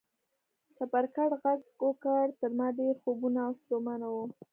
چپرکټ غږ وکړ، تر ما ډېر خوبولی او ستومانه و.